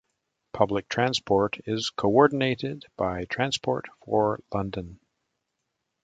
Public transport is co-ordinated by Transport for London.